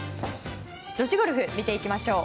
女子ゴルフを見ていきましょう。